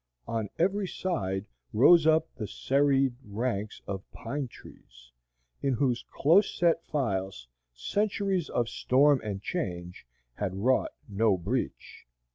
On every side rose up the serried ranks of pine trees, in whose close set files centuries of storm and change had wrought no breach.